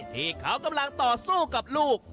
ที่เขากำลังต่อสู้กับลูก